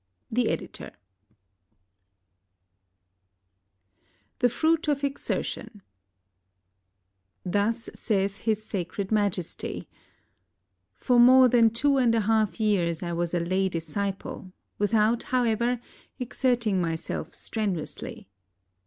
The Editor] THE FRUIT OF EXERTION Thus saith His Sacred Majesty: — For more than two and a half years I was a lay dis ciple, without, however, exerting myself strenuously.